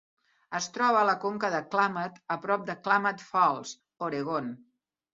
Es troba a la conca del Klamath, a prop de Klamath Falls, Oregon.